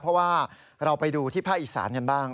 เพราะว่าเราไปดูที่ภาคอีสานกันบ้าง